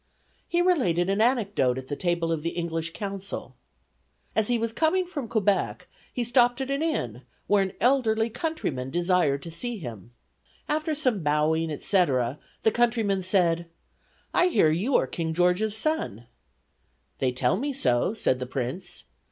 He related an anecdote at the table of the English consul. As he was coming from Quebec, he stopped at an inn, where an elderly countryman desired to see him. After some bowing, etc., the countryman said: 'I hear you are King George's son.' 'They tell me so,' said the prince.